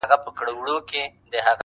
په میراث یې عقل وړی له خپل پلار وو؛